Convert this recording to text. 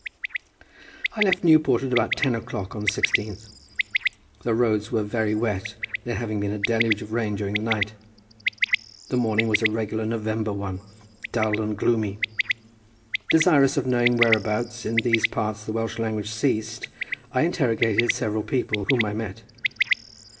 I left Newport at about ten o'clock on the 16th, the roads were very wet, there having been a deluge of rain during the night. The morning was a regular November one, dull and gloomy. Desirous of knowing whereabouts in these parts the Welsh language ceased I interrogated several people whom I met.